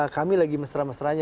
kami lagi mesra mesranya